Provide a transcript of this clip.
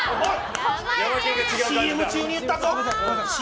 ＣＭ中に言ったぞ？